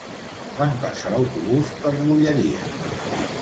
Quan passa l'autobús per l'Olleria?